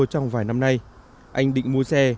trong vài năm nay anh định mua xe